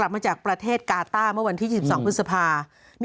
มาต้าเมื่อวันที่๒๒พฤษภาคม